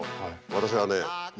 私はね